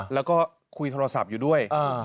แล้วก็คุยโทรศัพท์อยู่ด้วย